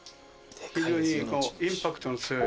非常にインパクトの強い。